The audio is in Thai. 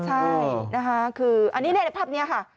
ใช่นะคะคืออันนี้ในภาพนี้ค่ะ